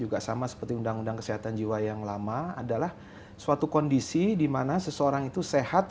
juga sama seperti undang undang kesehatan jiwa yang lama adalah suatu kondisi dimana seseorang itu sehat